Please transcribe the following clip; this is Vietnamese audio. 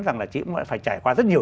rằng là chị cũng phải trải qua rất nhiều